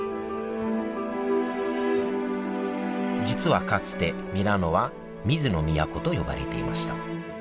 実はかつてミラノは「水の都」と呼ばれていました。